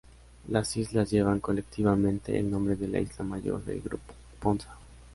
Las islas llevan colectivamente el nombre de la isla mayor del grupo, Ponza.